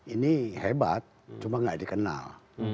ini hebat cuma nggak dikenal